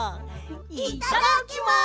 いただきます！